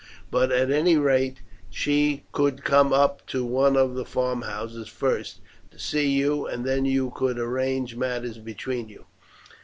But, at any rate, she could come up to one of the farm houses first, to see you, and then you could arrange matters between you.